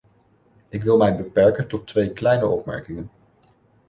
Ik wil mij beperken tot twee kleine opmerkingen.